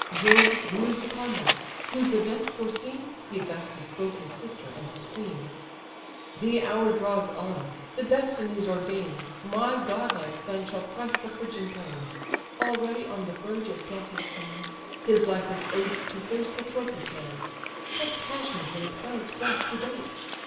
Jove view'd the combat: whose event foreseen, He thus bespoke his sister and his queen: "The hour draws on; the destinies ordain, My godlike son shall press the Phrygian plain: Already on the verge of death he stands, His life is owed to fierce Patroclus' hands, What passions in a parent's breast debate!